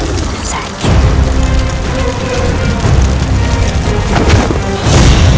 kenapa kalian biarkan dia masuk rumai ini